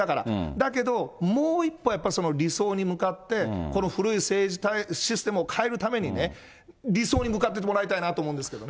だけど、もう一歩やっぱり理想に向かって、この古い政治システムを変えるためにね、理想に向かっていってもらいたいなと思うんですけどね。